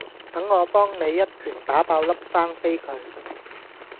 等我幫你一拳打爆粒生痱佢